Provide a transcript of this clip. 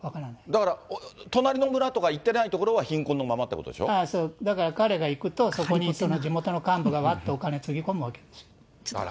だから、隣の村とか行ってない所は、貧困のままっていうことそう、だから彼が行くと、そこに地元の幹部がわっとお金つぎ込むわけですよ。